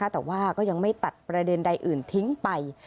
แต่ว่าก็ยังไม่ตัดประเด็นใดอื่นทิ้งไป